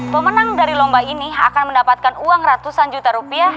pemenang dari lomba ini akan mendapatkan uang ratusan juta rupiah